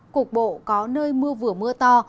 cục bộ có nơi mưa vừa mưa to